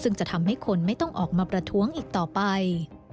ซึ่งจะทำให้คนไม่ต้องออกมาประท้วงอีกต่อไป